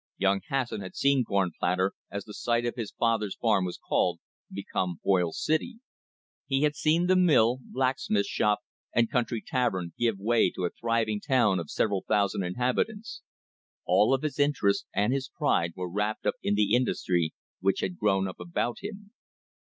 Young Hasson had seen I^ornplanter, as the site of his father's farm was called, become )il City; he had seen the mill, blacksmith shop and country avern give way to a thriving town of several thousand inhab tants. All of his interests and his pride were wrapped up n the industry which had grown up about him.